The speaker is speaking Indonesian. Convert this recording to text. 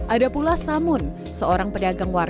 ada pula samun seorang pedagang warung